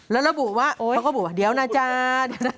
แล้วเขาก็บุว่าเดี๋ยวนะจ้า